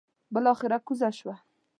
بلاخره کوزه شوه.